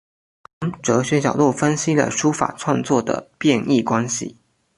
从哲学角度分析了书法创作的变易关系。